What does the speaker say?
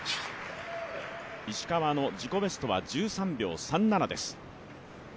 石川の自己ベストは１３秒３７です。